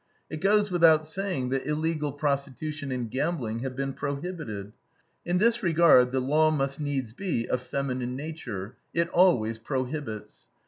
It goes without saying that illegal prostitution and gambling have been prohibited. In this regard the law must needs be of feminine nature: it always prohibits.